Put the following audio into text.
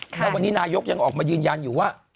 ครับแต่วันนี้นายกยังออกมายืนยาญอยู่ว่า